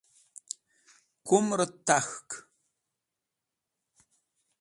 kumrt tak̃hk